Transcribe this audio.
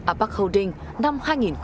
apac holding năm hai nghìn hai mươi hai